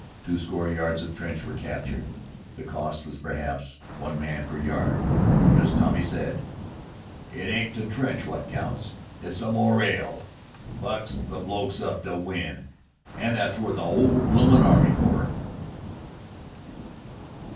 Twoscore yards of trench were captured. The cost was, perhaps, one man per yard; but as Tommy said, "It ain't the trench wot counts. It's the more ale. Bucks the blokes up to win, an' that's worth a 'ole bloomin' army corps."